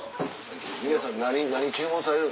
皆さん何注文される？